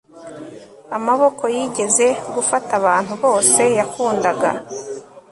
Amaboko yigeze gufata abantu bose yakundaga